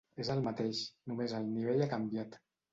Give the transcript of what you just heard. És el mateix, només el nivell ha canviat.